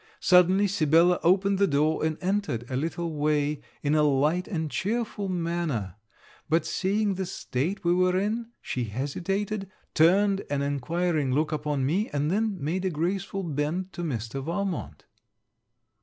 Suddenly Sibella opened the door and entered a little way, in a light and cheerful manner; but seeing the state we were in, she hesitated, turned an enquiring look upon me, and then made a graceful bend to Mr. Valmont.